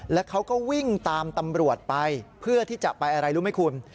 แล้วเขาก็วิ่งตามตำรวจไปเพื่อที่จะไปอะไรรู้ไหมคุณ